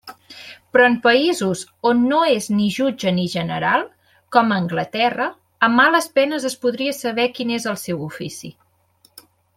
Però en països on no és ni jutge ni general, com a Anglaterra, a males penes es podria saber quin és el seu ofici.